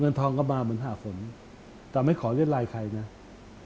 เงินทองก็มาเหมือนห้าคนแต่ไม่ขอยิ้มรายใครเนี่ย